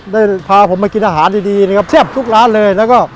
ได้พาผมไปกินอาหารดีดีนะครับแทบทุกร้านเลยแล้วก็